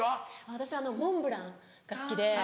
私モンブランが好きで。